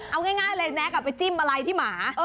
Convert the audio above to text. เอาง่ายเลยแน็กไปจิ้มอะไรที่หมา